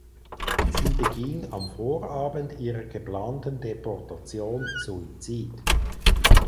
Sie beging am Vorabend ihrer geplanten Deportation Suizid.